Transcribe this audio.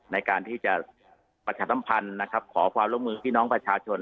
ในการที่จะประชาสัมพันธ์นะครับขอความร่วมมือพี่น้องประชาชน